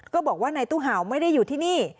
ก็บอกว่านายตู้เห่าไม่ได้อยู่ที่นี่